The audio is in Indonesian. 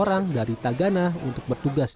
orang dari tagana untuk bertugas